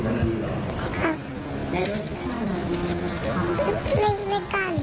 ไม่กล้าหนี